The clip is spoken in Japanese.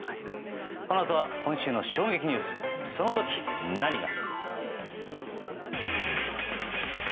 このあとは今週の衝撃ニュースその時何が。